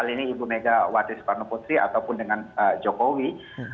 ini ibu mega wadis parnoputri ataupun dengan jokowi